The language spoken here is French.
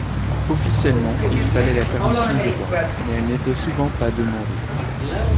Officiellement il fallait la permission du roi, mais elle n'était souvent pas demandée.